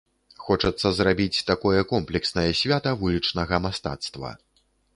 Хочацца зрабіць такое комплекснае свята вулічнага мастацтва.